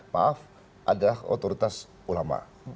maaf adalah otoritas ulama